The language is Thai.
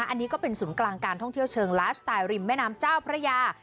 อันนี้ก็เป็นศูนย์กลางการท่องเที่ยวเชิงไลฟ์สไตล์ริมแม่น้ำเจ้าพระยา